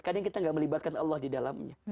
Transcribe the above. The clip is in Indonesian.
kadang kita gak melibatkan allah di dalamnya